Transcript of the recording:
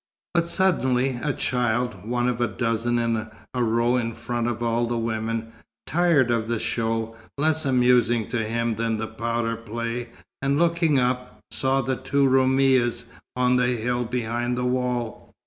But suddenly a child (one of a dozen in a row in front of all the women) tired of the show, less amusing to him than the powder play, and looking up, saw the two Roumis on the hill behind the wall.